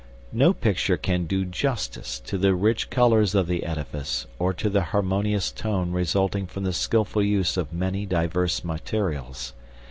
No picture can do justice to the rich colors of the edifice or to the harmonious tone resulting from the skilful use of many diverse materials.